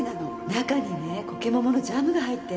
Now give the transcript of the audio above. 中にねコケモモのジャムが入ってるの。